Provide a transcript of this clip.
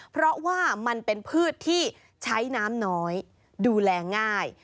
เพราะว่ามันเป็นพืชที่ใช้น้ำน้อยดูแลง่าย